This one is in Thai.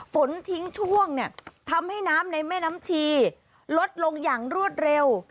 ฝนทิ้งช่วงเนี่ยทำให้น้ำในแม่น้ำชีลดลงอย่างรวดเร็ว